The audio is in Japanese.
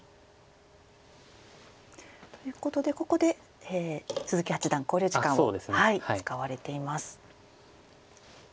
ということでここで鈴木八段考慮時間を使われています。